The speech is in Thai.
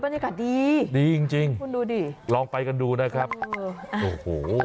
บรรยากาศดีคุณดูดิดีจริงลองไปกันดูนะครับโอ้โห